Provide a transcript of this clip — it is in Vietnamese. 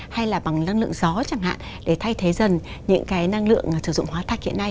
hay là bằng năng lượng gió chẳng hạn để thay thế dần những cái năng lượng sử dụng hóa thạch hiện nay